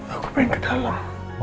aku pengen ke dalam